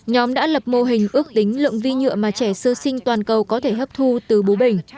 nhóm đã lập mô hình ước tính lượng vi nhựa mà trẻ sơ sinh toàn cầu có thể hấp thu từ bú bình